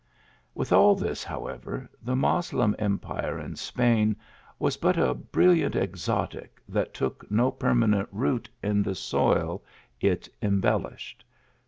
With all this, however, the Moslem empire in Spain was but a brilliant exotic that took no perma nent root in the soil it embellished.